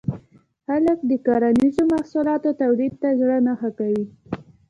خلک د کرنیزو محصولاتو تولید ته زړه نه ښه کوي.